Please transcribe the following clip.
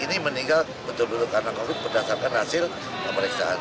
ini meninggal betul betul karena covid berdasarkan hasil pemeriksaan